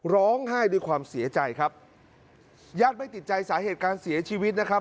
ร้องไห้ด้วยความเสียใจครับญาติไม่ติดใจสาเหตุการเสียชีวิตนะครับ